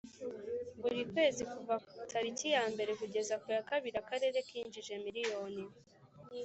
buri kwezi kuva tariki ya mbere kugeza ku ya kabiri akarere kinjije miliyoni